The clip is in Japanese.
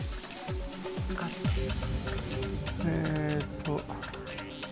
えっと。